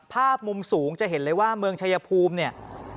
ภาพมุมสูงจะเห็นเลยว่าเมืองชายภูมิเนี่ย